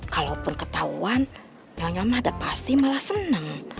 kalaupun ketauan nyonya mah ada pasti malah seneng